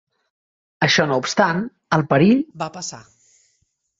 Això no obstant, el perill va passar.